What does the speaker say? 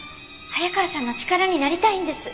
早川さんの力になりたいんです。